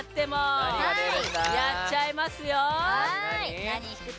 やっちゃいますよ！